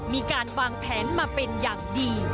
มีการวางแผนมาเป็นอย่างดี